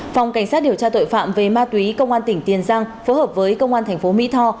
phòng cảnh sát điều tra tội phạm về ma túy công an tỉnh tiền giang phối hợp với công an thành phố mỹ tho